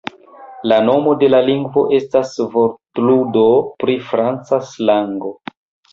La nomo de la lingvo estas vortludo pri franca slango.